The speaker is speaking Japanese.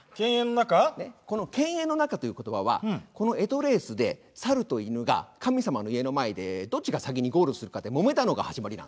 この犬猿の仲という言葉はこの干支レースでサルとイヌが神様の家の前でどっちが先にゴールするかでもめたのが始まりなんですね。